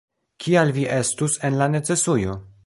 Kial vi estus en la necesujo?